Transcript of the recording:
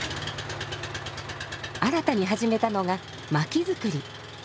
新たに始めたのが薪づくり。